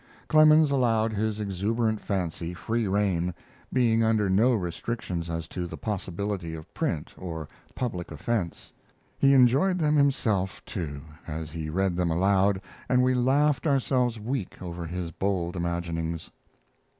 Clemens allowed his exuberant fancy free rein, being under no restrictions as to the possibility of print or public offense. He enjoyed them himself, too, as he read them aloud, and we laughed ourselves weak over his bold imaginings.